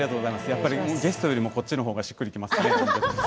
やっぱりゲストよりもこちらがしっくりきますね。